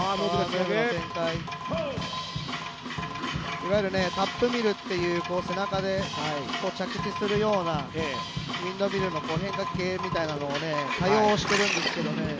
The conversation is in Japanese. いわゆるタップミルっていう背中で着地するような、ウインドミルの変化系みたいなのを多用してるんですけどね